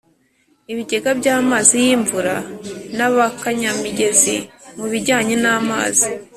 ibigega by amazi y imvura na ba Kanyamigezi mu bijyanye namazi